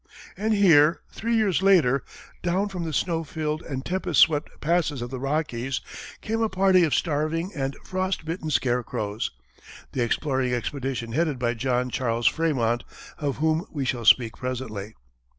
And here, three years later, down from the snow filled and tempest swept passes of the Rockies, came a party of starving and frost bitten scarecrows, the exploring expedition headed by John Charles Frémont, of whom we shall speak presently.